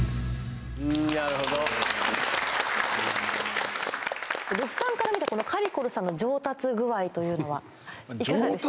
なるほど呂布さんから見たかりこるさんの上達具合というのはいかがでした？